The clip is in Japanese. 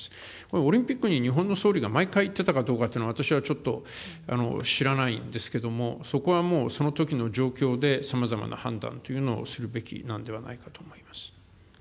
オリンピックに日本の総理が毎回行ってたどうかというのは、私はちょっと知らないんですけれども、そこはもうそのときの状況でさまざまな判断というのをするべきな岸田さん。